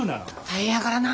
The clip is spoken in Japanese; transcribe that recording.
大変やからな。